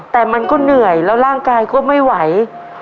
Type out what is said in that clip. แต่มันก็เหนื่อยแล้วร่างกายก็ไม่ไหว